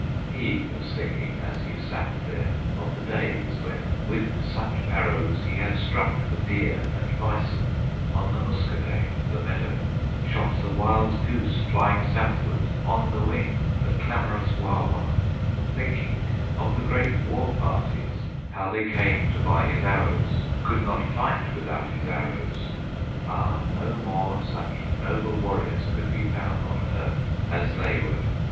He was thinking, as he sat there, Of the days when with such arrows He had struck the deer and bison, On the Muskoday, the meadow; Shot the wild goose, flying southward On the wing, the clamorous Wawa; Thinking of the great war parties, How they came to buy his arrows, Could not fight without his arrows. Ah, no more such noble warriors Could be found on earth as they were!